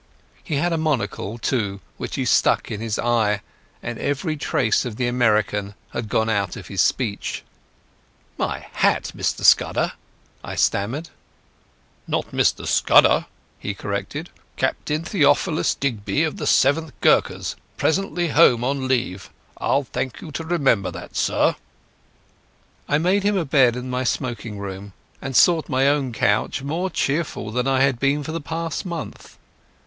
He had a monocle, too, which he stuck in his eye, and every trace of the American had gone out of his speech. "My hat! Mr Scudder—" I stammered. "Not Mr Scudder," he corrected; "Captain Theophilus Digby, of the 40th Gurkhas, presently home on leave. I'll thank you to remember that, sir." I made him up a bed in my smoking room and sought my own couch, more cheerful than I had been for the past month.